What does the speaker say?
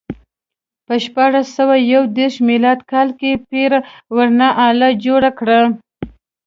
په شپاړس سوه یو دېرش میلادي کال کې پير ورنیه آله جوړه کړه.